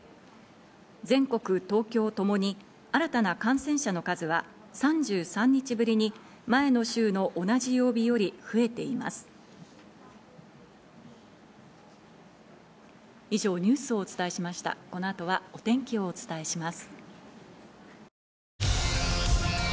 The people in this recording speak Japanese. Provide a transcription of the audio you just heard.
全国、東京ともに新たな感染者の数は３３日ぶりに、前の週の同じ曜日より増えています。